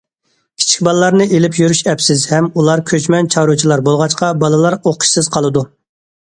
كىچىك بالىلارنى ئېلىپ يۈرۈش ئەپسىز ھەم ئۇلار كۆچمەن چارۋىچىلار بولغاچقا بالىلار ئوقۇشسىز قالىدۇ.